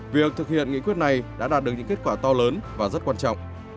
việc thực hiện nghị quyết này đã đạt được những kết quả to lớn và rất quan trọng